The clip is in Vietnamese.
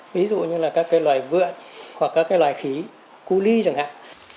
ví dụ như các loài vượn hoặc các loài khí cu ly chẳng hạn